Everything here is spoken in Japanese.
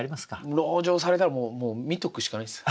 籠城されたらもう見とくしかないです。